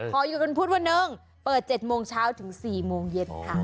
ขออยู่กันพุธวันหนึ่งเปิด๗โมงเช้าถึง๔โมงเย็นค่ะ